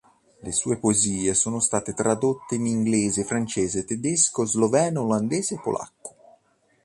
Le sue poesie sono state tradotte in Inglese, Francese, Tedesco, Sloveno, Olandese, Polacco.